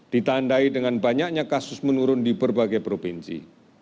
ditandai dengan banyaknya kasus menurun di berbagai provinsi